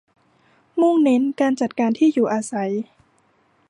มุ่งเน้นการจัดการที่อยู่อาศัย